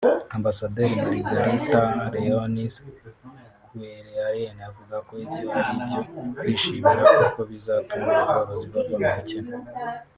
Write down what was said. Ambasaderi Margarita Leoni Cuelenaere avuga ko ibyo ari ibyo kwishimira kuko bizatuma aborozi bava mu bukene